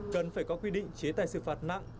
cần phải có quy định chế tài xử phạt nặng